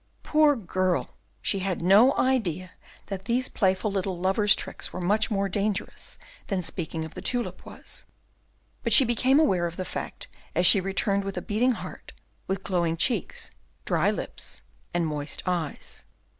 Poor girl! she had no idea that these playful little lovers' tricks were much more dangerous than speaking of the tulip was; but she became aware of the fact as she returned with a beating heart, with glowing cheeks, dry lips, and moist eyes.